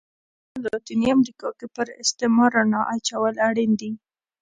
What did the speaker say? په شمالي او لاتینې امریکا کې پر استعمار رڼا اچول اړین دي.